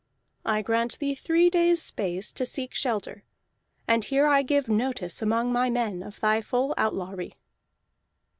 I grant thee three days' space to seek shelter, and here I give notice among my men of thy full outlawry."